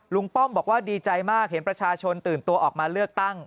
ป้อมบอกว่าดีใจมากเห็นประชาชนตื่นตัวออกมาเลือกตั้ง